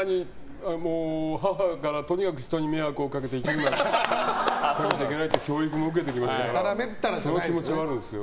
母からとにかく人に迷惑をかけるなという教育も受けてきましたからその気持ちもあるんですよ。